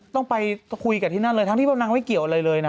ต้องไปคุยกับที่นั่นเลยทั้งที่ว่านางไม่เกี่ยวอะไรเลยนะ